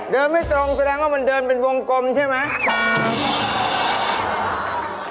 ไม่ตรงแสดงว่ามันเดินเป็นวงกลมใช่ไหม